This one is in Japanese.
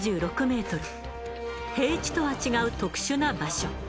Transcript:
平地とは違う特殊な場所。